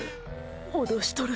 脅しとる。